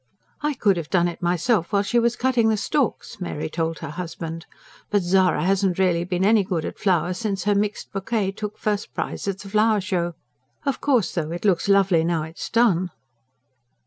"I could have done it myself while she was cutting the stalks," Mary told her husband. "But Zara hasn't really been any good at flowers since her 'mixed bouquet' took first prize at the Flower Show. Of course, though, it looks lovely now it's done."